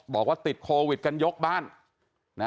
บอกว่าติดโควิดกันยกบ้าน